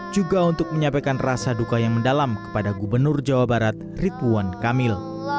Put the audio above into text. juga untuk menyampaikan rasa duka yang mendalam kepada gubernur jawa barat rituan kamil